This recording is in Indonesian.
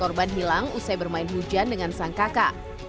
korban hilang usai bermain hujan dengan sang kakak